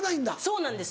そうなんです